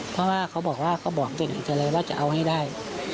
เพราะว่าเขาบอกว่าเขาบอกตัวเองเลยว่าจะเอาให้ได้